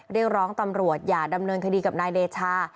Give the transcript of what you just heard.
เรียกร้องตำรวจอย่าดำเนินคดีกับนายเดชา